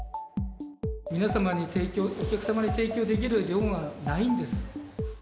皆様に、お客様に提供できる量がないんです。